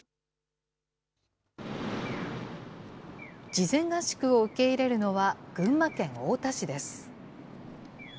事前合宿を受け入れるのは群馬県太田市です。